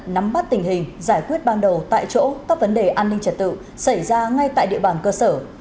nắm bắt tình hình giải quyết ban đầu tại chỗ các vấn đề an ninh trật tự xảy ra ngay tại địa bàn cơ sở